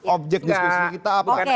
objek diskusi kita apa